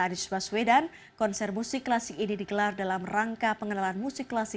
anies baswedan konser musik klasik ini digelar dalam rangka pengenalan musik klasik